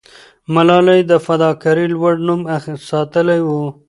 ملالۍ د فداکارۍ لوړ نوم ساتلې وو.